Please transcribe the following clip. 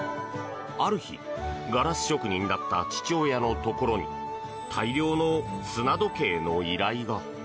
ある日ガラス職人だった父親のところに大量の砂時計の依頼が。